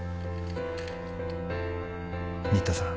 新田さん